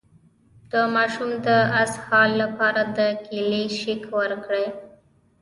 د ماشوم د اسهال لپاره د کیلي شیک ورکړئ